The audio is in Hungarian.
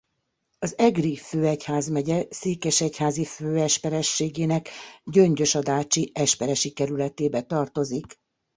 Az Egri főegyházmegye Székesegyházi Főesperességének Gyöngyös-Adácsi Esperesi Kerületébe tartozik.